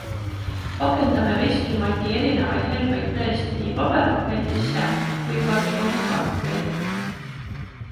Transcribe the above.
Pakendame Veski Mati erinevaid helbeid tõesti nii paberpakendisse kui kartongkarpi.